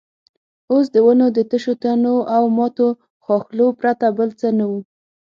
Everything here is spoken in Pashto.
اوس د ونو د تشو تنو او ماتو ښاخلو پرته بل څه نه وو.